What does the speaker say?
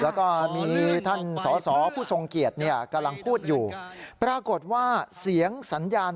แล้วก็มีท่านสอสอผู้ทรงเกียจกำลังพูดอยู่ปรากฏว่าเสียงสัญญาณ